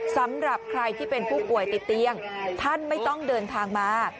สำหรับใครที่เป็นผู้ป่วยติดเตียงท่านไม่ต้องเดินทางมา